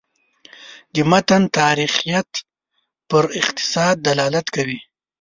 د متن تاریخیت پر اقتضا دلالت کوي.